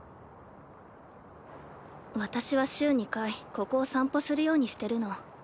私は週２回ここを散歩するようにしてるの。